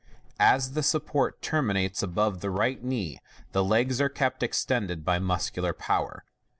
As the support terminates above the right knee, the legs are kept extended by muscular power.